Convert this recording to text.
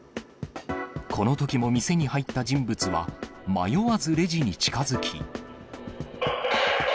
このときも店に入った人物は、迷わずレジに近づき。